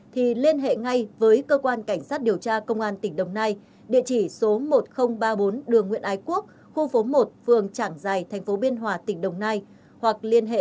thì liên hệ ngay với cơ quan cảnh sát điều tra công an tỉnh đồng nai địa chỉ số một nghìn ba mươi bốn đường nguyễn ái quốc khu phố một phường trảng giài thành phố biên hòa tỉnh đồng nai hoặc liên hệ